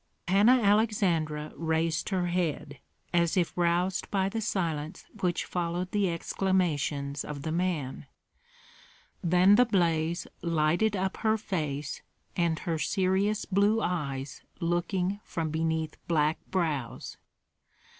Panna Aleksandra raised her head, as if roused by the silence which followed the exclamations of the man; then the blaze lighted up her face and her serious blue eyes looking from beneath black brows.